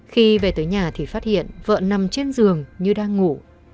khi về tới nhà thì phát hiện vợ nằm trên giường như đang ngủ